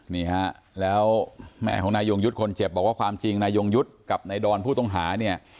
นี่ฮะแล้วแม่ของนายยงยุทธ์คนเจ็บบอกว่าความจริงนายยงยุทธ์กับนายดอนผู้ต้องหาเนี่ย